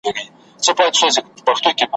درې څلور ځله یې لیري کړ له کلي `